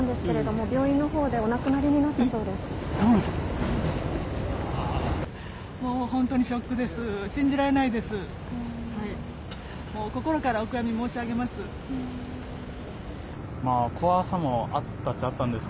もう心からお悔やみ申し上げます。